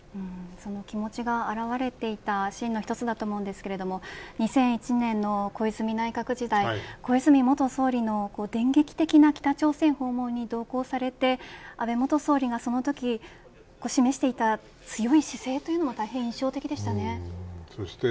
その気持ちが表れていたシーンの一つだったと思いますが２００１年の小泉内閣時代小泉元総理の電撃的な北朝鮮訪問に同行されて安倍元総理がそのときに示していた強い姿勢というのは大変印象的でしたね。